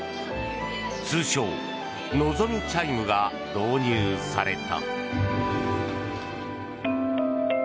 通称・のぞみチャイムが導入された。